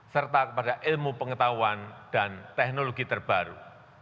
serta kepada ilmu pengetahuan dan teknologi terbaru